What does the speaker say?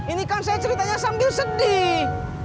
ini kan saya ceritanya sambil sedih